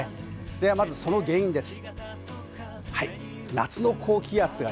ではまずその原因です。